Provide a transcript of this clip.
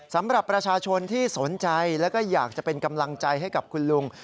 สำหรับประชาชนที่สนใจแล้วก็อยากจะเป็นกำลังใจให้กับคุณลุง